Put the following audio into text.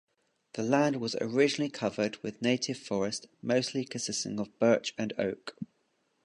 The land was originally covered with native forest mostly consisting of birch and oak.